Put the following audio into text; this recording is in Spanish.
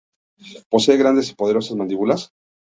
Posee grandes y poderosas mandíbulas.